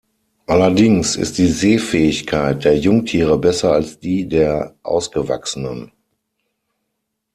Allerdings ist die Sehfähigkeit der Jungtiere besser als die der ausgewachsenen.